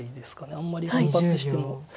あんまり反発しても。